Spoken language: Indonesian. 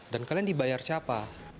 dan kalian dibayar siapa